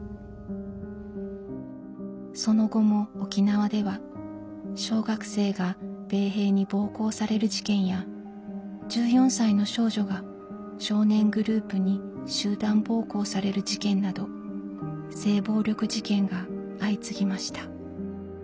その後も沖縄では小学生が米兵に暴行される事件や１４歳の少女が少年グループに集団暴行される事件など性暴力事件が相次ぎました。